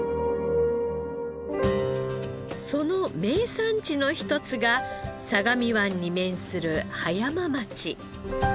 その名産地の一つが相模湾に面する葉山町。